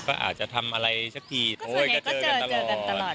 ก็อาจจะทำอะไรสักทีโอ้ยก็เจอกันตลอด